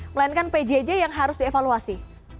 melainkan pjj yang harus dievaluasi